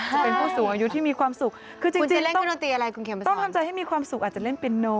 จะเป็นผู้สูงอายุที่มีความสุขคือจริงต้องทำจะให้มีความสุขอาจจะเล่นเป็นโน